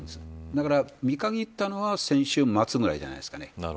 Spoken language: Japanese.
だから見限ったのは先週末ぐらいじゃないですかね。